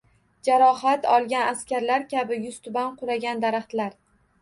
Jarohat olgan askarlar kabi yuztuban qulagan daraxtlar.